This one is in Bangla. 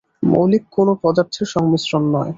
মৌলিক কোন পদার্থের সংমিশ্রণ নয়।